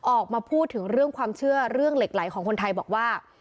ออกมาพูดถึงเรื่องความเชื่อเรื่องเหล็กไหลของคนไทยบอกว่า